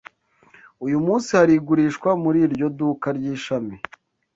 Uyu munsi hari igurishwa muri iryo duka ryishami.